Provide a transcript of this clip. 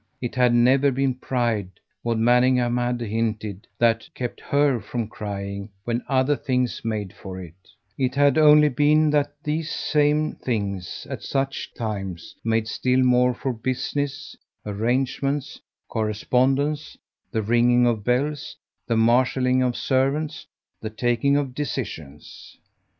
It had never been pride, Maud Manningham had hinted, that kept HER from crying when other things made for it; it had only been that these same things, at such times, made still more for business, arrangements, correspondence, the ringing of bells, the marshalling of servants, the taking of decisions.